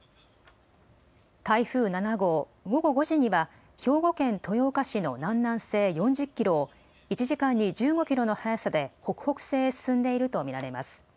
台風７号、午後５時には、兵庫県豊岡市の南南西４０キロを、１時間に１５キロの速さで北北西へ進んでいると見られます。